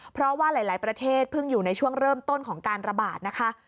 เพราะว่าหลายประเทศเพิ่งอยู่ในช่วงเริ่มต้นของการระบาดนะคะ